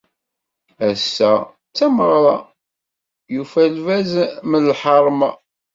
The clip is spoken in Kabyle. Ass-a d tameɣra, yufa lbaz m lḥerma.